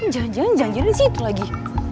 jangan jangan janjinya di situ lagi